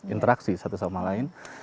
interaksi satu sama lain